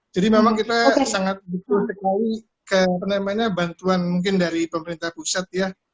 jadi memang kita sangat berterima kasih ke penemannya bantuan mungkin dari pemerintah pusat ya